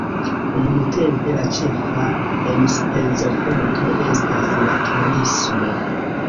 Nuntempe la ĉefa enspezofonto estas la turismo.